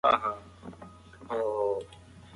موږ هم بايد زيار وباسو.